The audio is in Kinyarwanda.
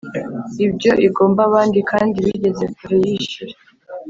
ibyo igomba abandi kandi bigeze kure yishyura